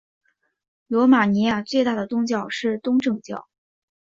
罗马尼亚最大的宗教是东正教。